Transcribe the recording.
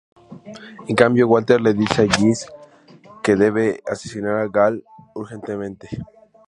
En cambio, Walter le dice a Jesse que debe asesinar a Gale urgentemente.